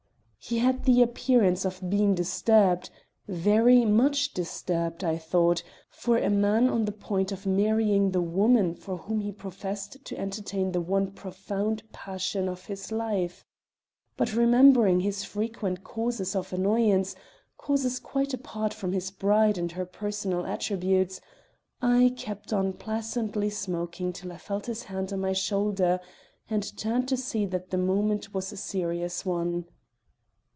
He had the appearance of being disturbed; very much disturbed, I thought, for a man on the point of marrying the woman for whom he professed to entertain the one profound passion of his life; but remembering his frequent causes of annoyance causes quite apart from his bride and her personal attributes I kept on placidly smoking till I felt his hand on my shoulder and turned to see that the moment was a serious one.